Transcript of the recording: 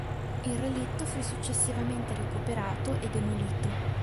Il relitto fu successivamente recuperato e demolito.